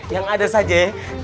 yang ada saja ya